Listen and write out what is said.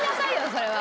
それは。